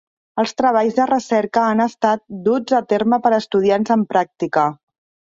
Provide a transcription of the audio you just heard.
Els treballs de recerca han estat duts a terme per estudiants en pràctica.